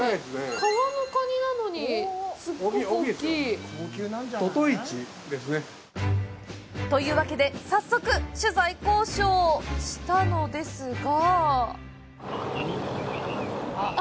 川の蟹なのに、すっごく大きい！というわけで、早速、取材交渉したのですが。